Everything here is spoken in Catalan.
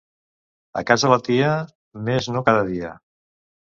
A casa la tia, mes no cada dia.